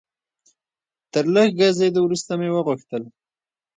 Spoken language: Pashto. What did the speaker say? تر لږ ګرځېدو وروسته مې وغوښتل.